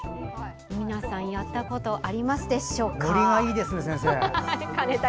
皆さんやったことありますでしょうか。